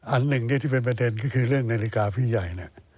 อันหนึ่งที่เป็นประเด็นก็คือเรื่องนาฬิกาพี่ใหญ่เนี่ย